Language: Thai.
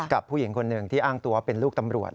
กับผู้หญิงคนหนึ่งที่อ้างตัวเป็นลูกตำรวจ